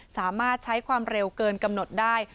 สามารถใช้ความเร็วเกินกำหนดได้